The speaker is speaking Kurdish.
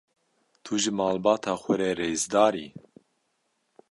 Tu ji malbata xwe re rêzdar î?